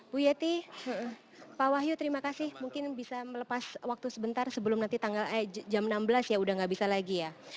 bu yeti pak wahyu terima kasih mungkin bisa melepas waktu sebentar sebelum nanti tanggal jam enam belas ya udah gak bisa lagi ya